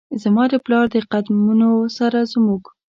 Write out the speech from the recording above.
زما د پلار د قد مونو سره زموږ،